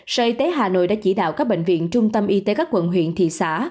sở y tế hà nội đã chỉ đạo các bệnh viện trung tâm y tế các quận huyện thị xã